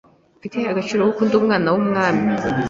Mfite agaciro kuko ndi umwana w’Umwami.